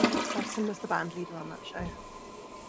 Olsen was the bandleader on that show.